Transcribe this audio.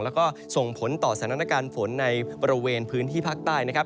แล้วก็ส่งผลต่อสถานการณ์ฝนในบริเวณพื้นที่ภาคใต้นะครับ